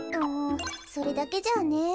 うんそれだけじゃあね。